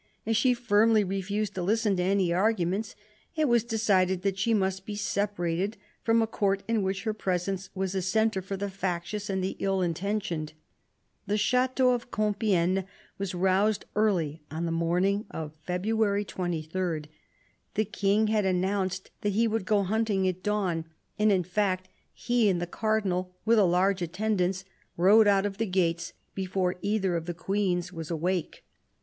As she firmly refused to listen to any arguments, it was decided that she must be separated from a Court in which her presence was a centre for the factious and the ill intentioned. The Chateau of Compifegne was roused early on the morning of February 23. The King had announced that he would go hunting at dawn ; and in fact he and the Cardinal, with a large attendance, rode out of the gates before either of the Queens was awake.